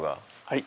はい。